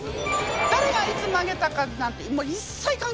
誰がいつ曲げたかなんてもう一切関係ない。